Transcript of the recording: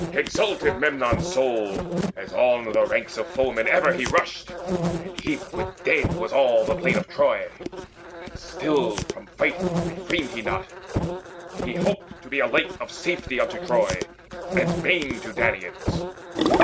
Exulted Memnon's soul As on the ranks of foemen ever he rushed, And heaped with dead was all the plain of Troy. And still from fight refrained he not; he hoped To be a light of safety unto Troy And bane to Danaans.